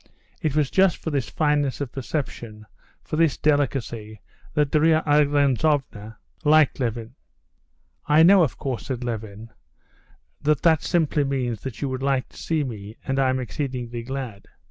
It was just for this fineness of perception, for this delicacy, that Darya Alexandrovna liked Levin. "I know, of course," said Levin, "that that simply means that you would like to see me, and I'm exceedingly glad.